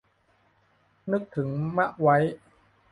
นึกถึงมะไว้